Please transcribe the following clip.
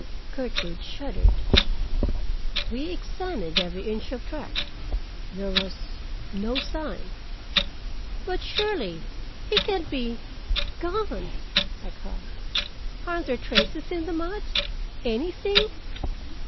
Gertrude shuddered. "We examined every inch of track. There was—no sign." "But surely—he can't be—gone!" I cried. "Aren't there traces in the mud—anything?"